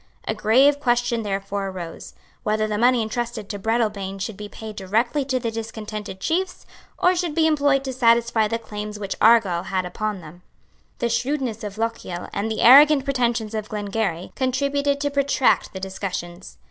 A grave question therefore arose, whether the money entrusted to Breadalbane should be paid directly to the discontented chiefs, or should be employed to satisfy the claims which Argyle had upon them. The shrewdness of Lochiel and the arrogant pretensions of Glengarry contributed to protract the discussions.